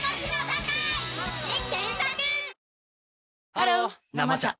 ハロー「生茶」